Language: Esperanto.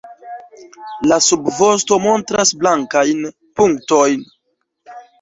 La subvosto montras blankajn punktojn.